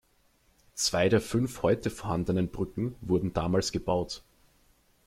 Zwei der fünf heute vorhandenen Brücken wurden damals gebaut.